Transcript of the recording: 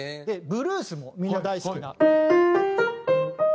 ブルースもみんな大好きな。